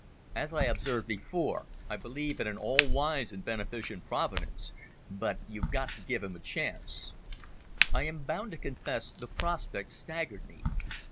As I observed before, I believe in an all wise and beneficent Providence, but you've got to give him a chance." I am bound to confess the prospect staggered me.